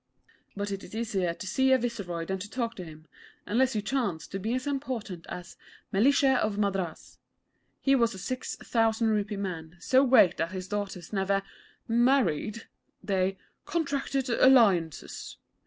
But it is easier to see a Viceroy than to talk to him, unless you chance to be as important as Mellishe of Madras. He was a six thousand rupee man, so great that his daughters never 'married.' They 'contracted alliances.'